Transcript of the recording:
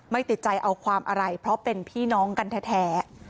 ติดใจเอาความอะไรเพราะเป็นพี่น้องกันแท้